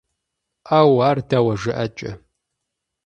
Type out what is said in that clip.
- Ӏэууу! Ар дауэ жыӀэкӀэ?